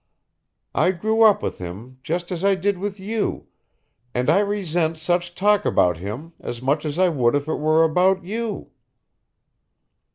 I grew up with him just as I did with you, and I resent such talk about him as much as I would if it were about you."